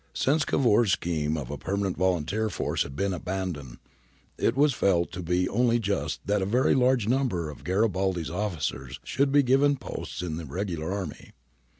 Since Cavour's scheme of a permanent volunteer force had been abandoned, it was felt to be only just that a very large number of Garibaldi's officers should be given posts in the regular army.